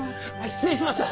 失礼します！